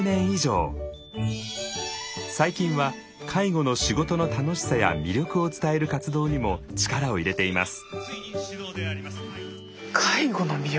最近は介護の仕事の楽しさや魅力を伝える活動にも力を入れています。